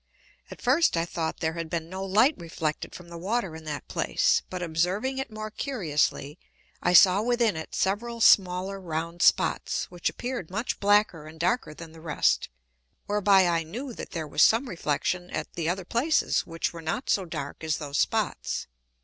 At first I thought there had been no Light reflected from the Water in that place, but observing it more curiously, I saw within it several smaller round Spots, which appeared much blacker and darker than the rest, whereby I knew that there was some Reflexion at the other places which were not so dark as those Spots.